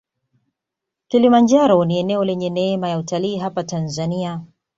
kilimanjaro ni eneo lenye neema ya utalii hapa tanzania